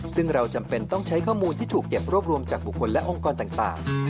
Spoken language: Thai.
ซึ่งเราจำเป็นต้องใช้ข้อมูลที่ถูกเก็บรวบรวมจากบุคคลและองค์กรต่าง